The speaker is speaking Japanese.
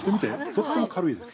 とっても軽いです。